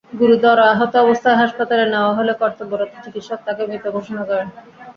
গুরুতর আহত অবস্থায় হাসপাতালে নেওয়া হলে কর্তব্যরত চিকিৎসক তাঁকে মৃত ঘোষণা করেন।